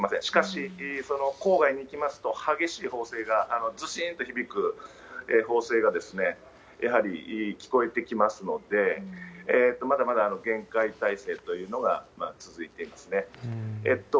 しかし郊外に行きますと、激しい砲声が、ずしんと響く砲声がやはり聞こえてきますので、まだまだ厳戒態勢というのが続いていますね。